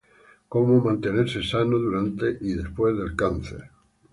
Cómo mantenerse sano durante y después del cáncer.